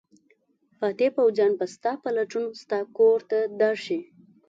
فاتح پوځیان به ستا په لټون ستا کور ته درشي.